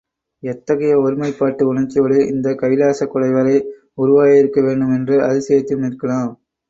எத்தகைய ஒருமைப்பாட்டு உணர்ச்சியோடு இந்த கைலாசக் குடைவரை உருவாகியிருக்க வேண்டும் என்று அதிசயித்தும் நிற்கலாம்.